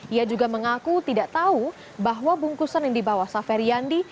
ia juga mengaku tidak tahu bahwa bungkusan yang dibawa saferi yandi